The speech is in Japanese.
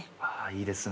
いいですね。